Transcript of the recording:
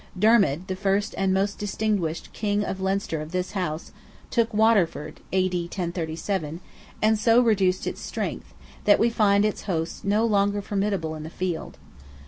Dermid, the first and most distinguished King of Leinster of this house, took Waterford (A.D. 1037), and so reduced its strength, that we find its hosts no longer formidable in the field.